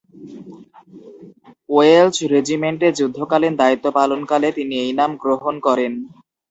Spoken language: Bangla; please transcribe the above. ওয়েলচ রেজিমেন্টে যুদ্ধকালীন দায়িত্ব পালনকালে তিনি এই নাম গ্রহণ করেন।